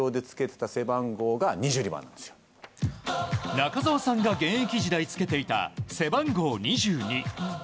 中澤さんが現役時代につけていた、背番号２２。